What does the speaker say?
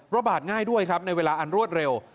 ระบาดง่ายด้วยครับในเวลาอันรวดเร็ว